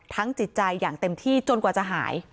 จิตใจอย่างเต็มที่จนกว่าจะหาย